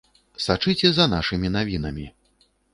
Сачыце за нашымі навінамі.